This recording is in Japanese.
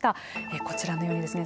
こちらのようにですね